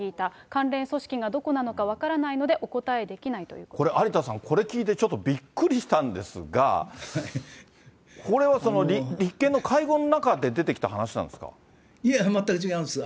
関連組織がどこなのか分からないのでお答えできないということでこれ、有田さん、これ聞いてちょっとびっくりしてんですが、これは、立憲の会合の中で出てきいや、全く違うんですよ。